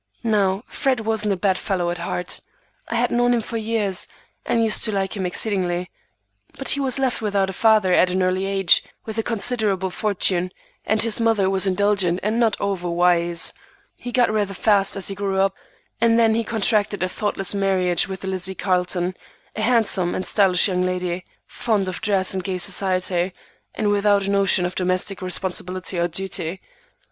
Now, Fred wasn't a bad fellow at heart. I had known him for years, and used to like him exceedingly. But he was left without a father at an early age, with a considerable fortune, and his mother was indulgent and not overwise. He got rather fast as he grew up, and then he contracted a thoughtless marriage with Lizzie Carleton, a handsome and stylish young lady, fond of dress and gay society, and without a notion of domestic responsibility or duty.